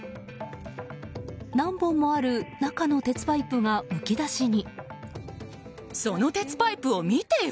何本もある中の鉄パイプがむき出しに。